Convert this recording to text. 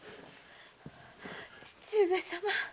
義父上様